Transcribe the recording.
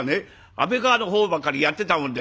安倍川の方ばっかりやってたもんでね